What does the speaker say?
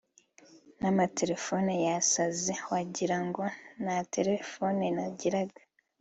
n’amatelefone yasaze wagira ngo nta telefone nagiraga